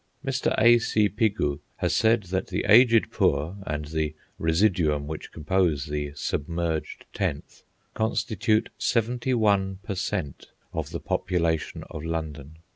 Mr. A. C. Pigou has said that the aged poor, and the residuum which compose the "submerged tenth," constitute 71 per cent, of the population of London.